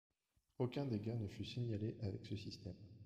Aucun dégât ne fut signalé avec ce système.